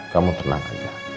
kamu tenang aja